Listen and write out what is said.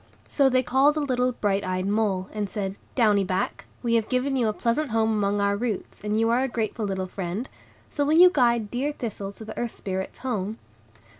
So they called a little bright eyed mole, and said, "Downy Back, we have given you a pleasant home among our roots, and you are a grateful little friend; so will you guide dear Thistle to the Earth Spirits' home?"